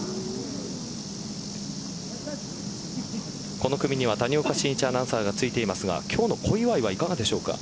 この組には谷岡慎一アナウンサーがついていますが今日の小祝はいかがでしょうか。